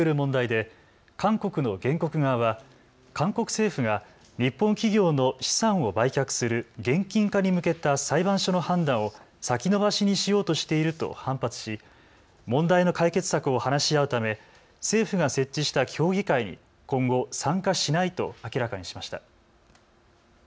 政府が日本企業の資産を売却する現金化に向けた裁判所の判断を先延ばしにしようとしていると反発し、問題の解決策を話し合うため政府が設置した協議会に今後、参加しないと明らかにしました。